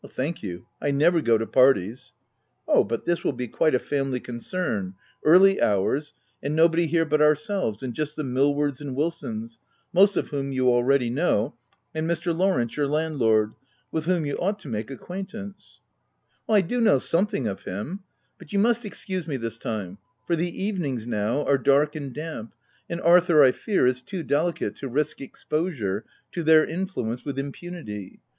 "Thank you, I never go to parties.'' " Oh ! but this will be quite a family concern — early hours, and nobody here but ourselves, and just the Millwards and Wilsons, most oi whom you already know, and Mr. Lawrence* your landlord, whom you ought to make ac quaintance with.' 1 " I do know something of him — but you must excuse me this time ; for the evenings, now, 48 THE TENANT are dark and damp, and Arthur, I fear, is too delicate to risk exposure to their influence with impunity.